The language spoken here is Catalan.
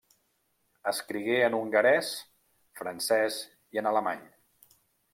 Escrigué en hongarès, francès i en alemany.